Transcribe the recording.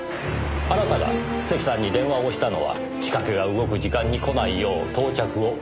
あなたが関さんに電話をしたのは仕掛けが動く時間に来ないよう到着を遅らせるためです。